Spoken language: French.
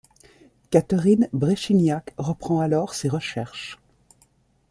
Catherine Bréchignac reprend alors ses recherches.